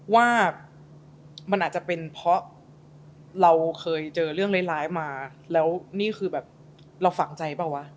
ว่ามันอาจจะเป็นเพราะเราเคยเจอเรื่องร้ายมาแล้วนี่คือแบบเราฝังใจเปล่าวะ